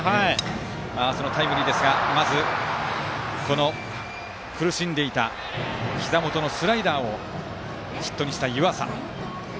そのタイムリーですがまず、苦しんでいたひざ元のスライダーをヒットにした湯浅。